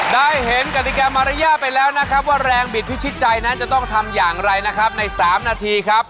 ได้เห็นกติกามารยาทไปแล้วนะครับว่าแรงบิดพิชิตใจนั้นจะต้องทำอย่างไรนะครับใน๓นาทีครับ